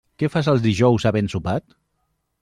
Què fas els dijous havent sopat?